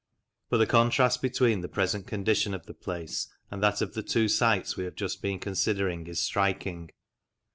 But the contrast between the present condition of the place and that of the two sites we have just been considering is striking.